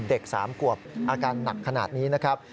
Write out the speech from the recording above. ๓ขวบอาการหนักขนาดนี้นะครับ